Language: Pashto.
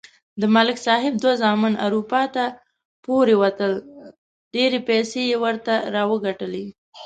د ملک صاحب دوه زامن اروپا ته پورې وتل. ډېرې پیسې یې ورته راوگټلې.